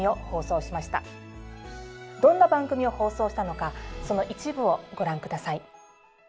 どんな番組を放送したのかその一部をご覧下さい。